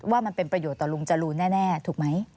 ว่ามันเป็นประโยชน์ต่อลุงจรูนแน่ถูกไหม